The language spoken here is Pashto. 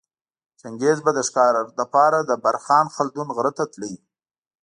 چنګیز به د ښکاره لپاره د برخان خلدون غره ته تلی